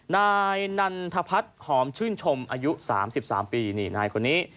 นายนันทพัฒน์หอมชื่นชมอายุ๓๓ปีนี่นายคนนี้